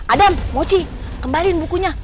adam mochi kembalin bukunya